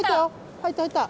入った入った！